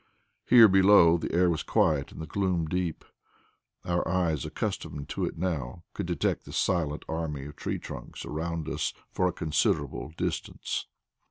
Here below, the air was quiet and the gloom deep. Our eyes, accustomed to it now, could detect the silent army of tree trunks around us for a considerable distance.